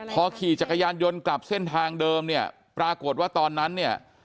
พอขี่จักรยานยนต์กลับเส้นทางเดิมเนี่ยปรากฏว่าตอนนั้นเนี่ย